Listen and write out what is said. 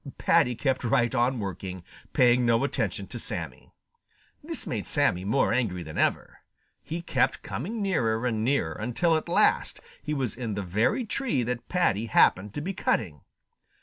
Paddy kept right on working, paying no attention to Sammy. This made Sammy more angry than ever. He kept coming nearer and nearer until at last he was in the very tree that Paddy happened to be cutting.